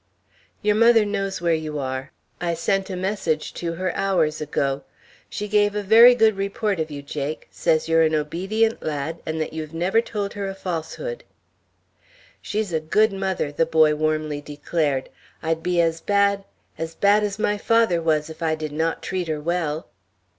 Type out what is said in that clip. "Your mother knows where you are. I sent a message to her hours ago. She gave a very good report of you, Jake; says you're an obedient lad and that you never have told her a falsehood." "She's a good mother," the boy warmly declared. "I'd be as bad as bad as my father was, if I did not treat her well."